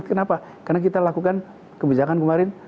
kenapa karena kita lakukan kebijakan kemarin